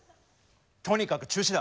とにかく中止だ！